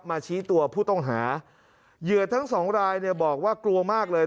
ชี้ตัวผู้ต้องหาเหยื่อทั้งสองรายเนี่ยบอกว่ากลัวมากเลย